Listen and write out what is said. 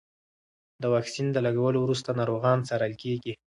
د واکسین د لګولو وروسته ناروغان څارل کېږي.